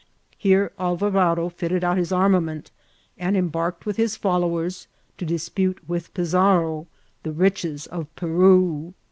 Here Alvarado fitted out his armament, and embarked with his followers to dispute with Pizarro the riches of Peru.